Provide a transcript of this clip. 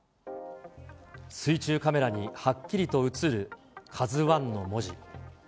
水中カメラにはっきりと写る、カズワンの文字。